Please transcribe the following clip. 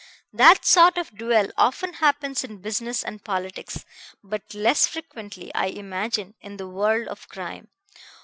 That sort of duel often happens in business and politics, but less frequently, I imagine, in the world of crime.